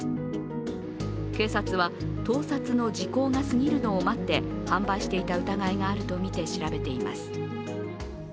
警察は、盗撮の時効が過ぎるのを待って販売していた疑いがあるとみて調べています。